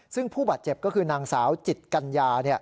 ซึ่งผู้บาดเจ็บก็คือนางสาวจิตกัญญา